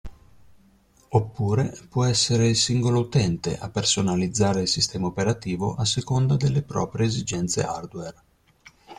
Oppure può essere il singolo utente a personalizzare il sistema operativo a seconda delle proprie esigenze hardware.